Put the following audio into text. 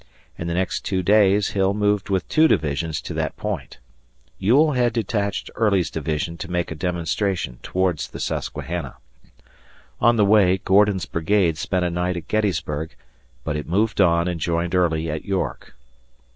In the next two days Hill moved with two divisions to that point. Ewell had detached Early's division to make a demonstration towards the Susquehanna. On the way Gordon's brigade spent a night at Gettysburg, but it moved on and joined Early at York.